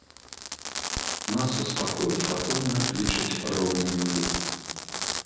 Масу спакою фатона лічаць роўнай нулю.